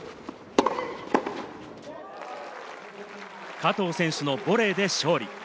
加藤選手のボレーで勝利。